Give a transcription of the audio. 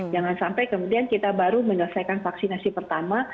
jangan sampai kemudian kita baru menyelesaikan vaksinasi pertama